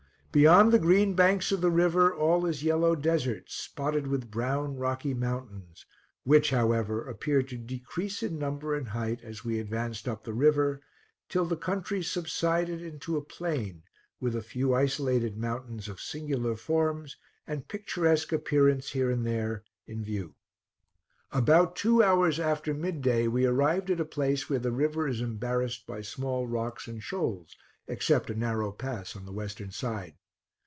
Beyond the green banks of the river, all is yellow desert, spotted with brown rocky mountains, which, however, appeared to decrease in number and height as we advanced up the river, till the country subsided into a plain, with a few isolated mountains of singular forms and picturesque appearance here and there in view. About two hours after mid day we arrived at a place where the river is embarrassed by small rocks and shoals, except a narrow pass on the western side.